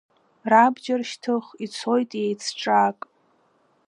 Рабџьар шьҭых ицоит иеицҿак…